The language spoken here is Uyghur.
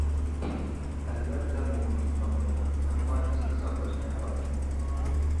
ئەلۋەتتە ئۇ ئۇنتۇپ قالمايدۇ ئەمما ئېسىدە ساقلاشنى خالىمىدى.